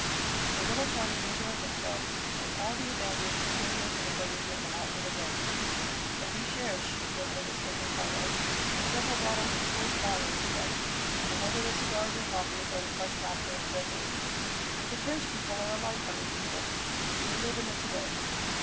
The little party enjoyed themselves with all the abandon peculiar to the Parisian when out for the day. A recherche, dinner was partaken of, and several bottles of choice wine were discussed, and over the cigars and coffee there was much laughter and joking. The French people are a light hearted people. They live in the to day.